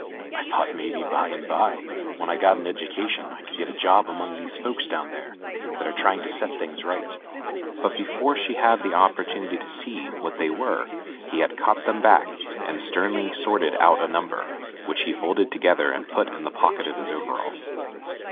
I thought maybe by and by when I got an education I could get a job among those fellows down there that are try ing to set things right." But before she had opportunity to see what they were he had caught them back and sternly sorted out a number, which he folded together and put in the pocket of his overalls.